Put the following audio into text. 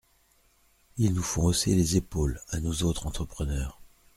Ils nous font hausser les épaules, à nous autres entrepreneurs !…